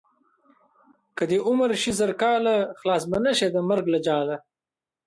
که دې عمر شي زر کاله خلاص به نشې د مرګ له جاله.